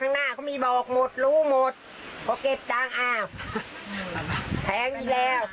ข้างหน้าเขามีบอกหมดรู้หมดพอเก็บตังค์อ้าวแพงอีกแล้ว